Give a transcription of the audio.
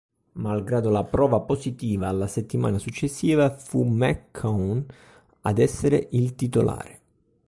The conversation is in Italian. Malgrado la prova positiva, la settimana successiva fu McCown ad essere il titolare.